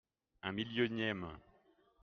Un millionième.